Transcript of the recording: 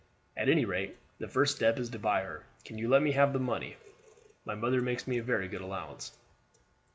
At any rate, the first step is to buy her. Can you let me have the money? My mother makes me a very good allowance."